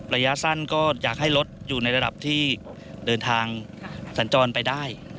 ระยะสั้นก็อยากให้รถอยู่ในระดับที่เดินทางสัญจรไปได้